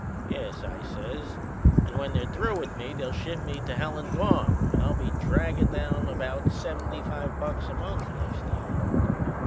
"Yes," I says; "and when they're through with me they'll ship me to Hellangone, and I'll be draggin' down about seventy five bucks a month next year."